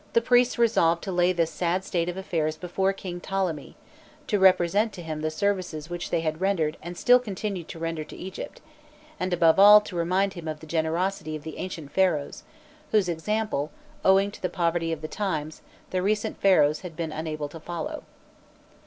The priests resolved to lay this sad state of affairs before King Ptolemy, to represent to him the services which they had rendered and still continued to render to Egypt, and above all to remind him of the generosity of the ancient Pharaohs, whose example, owing to the poverty of the times, the recent Pharaohs had been unable to follow.